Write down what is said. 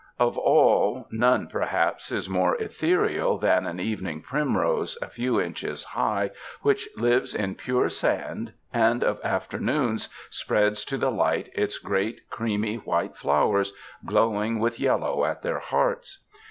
Of all none, perhaps, is more ethereal than an evening primrose a few inches high, which lives in pure sand and of afternoons spreads to the light its great, creamy white flowers, glowing with yellow at their hearts.